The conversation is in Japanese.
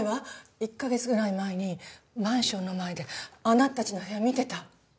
１カ月ぐらい前にマンションの前であなたたちの部屋見てた。